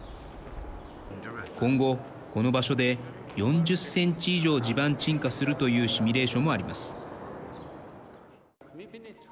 今後、この場所で４０センチ以上地盤沈下するというシミュレーションもあります。